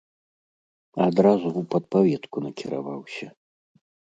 Адразу ў падпаветку накіраваўся.